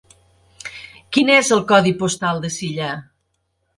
Quin és el codi postal de Silla?